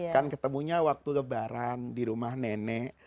kan ketemunya waktu lebaran di rumah nenek